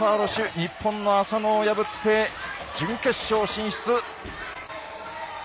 日本の浅野を破って準決勝進出。